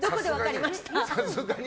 さすがに。